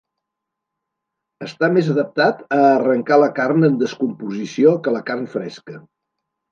Està més adaptat a arrencar la carn en descomposició que la carn fresca.